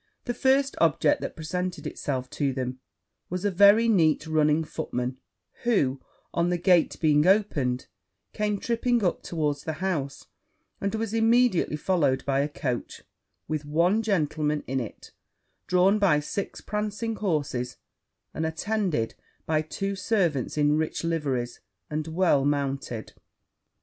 The first object that presented itself to them was a very neat running footman, who, on the gate being opened, came tripping up towards the house, and was immediately followed by a coach, with one gentleman in it, drawn by six prancing horses, and attended by two servants in rich liveries, and well mounted.